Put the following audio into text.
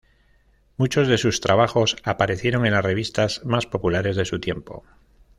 Muchos de sus trabajos aparecieron en las revistas más populares de su tiempo.